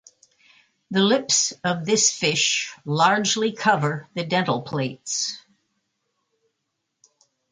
The lips of this fish largely cover the dental plates.